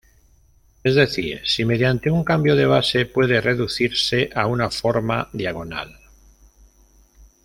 Es decir, si mediante un cambio de base puede reducirse a una forma diagonal.